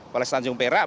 polres tanjung perak